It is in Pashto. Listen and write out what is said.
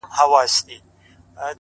سیاه پوسي ده، ورته ولاړ یم،